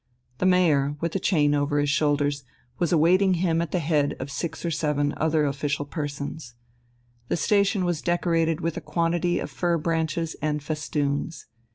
The Mayor, with a chain over his shoulders, was awaiting him at the head of six or seven other official persons. The station was decorated with a quantity of fir branches and festoons.